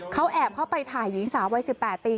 เขาแอบเข้าไปถ่ายหญิงสาววัย๑๘ปี